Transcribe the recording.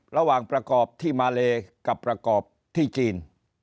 ระหว่างประกอบที่มาเลกับประกอบที่จีน